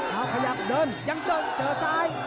เอาขยับเดินยังเดินเจอซ้าย